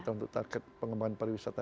untuk target pengembangan pariwisata